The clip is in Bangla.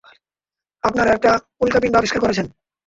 আপনারা একটা উল্কাপিন্ড আবিষ্কার করেছেন?